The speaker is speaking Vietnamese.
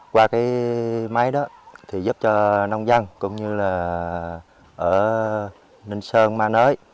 qua cái máy đó thì giúp cho nông dân cũng như là ở ninh sơn ma nới